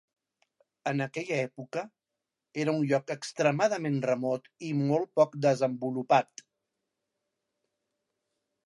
En aquella època, era un lloc extremadament remot i molt poc desenvolupat.